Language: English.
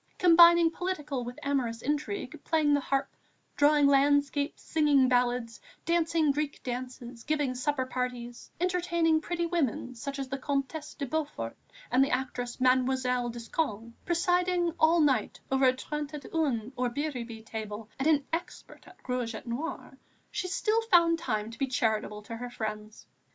Combining political with amorous intrigue, playing the harp, drawing landscapes, singing ballads, dancing Greek dances, giving supper parties, entertaining pretty women, such as the Comtesse de Beaufort and the actress Mademoiselle Descoings, presiding all night long over a trente et un or biribi table and an adept at rouge et noir, she still found time to be charitable to her friends.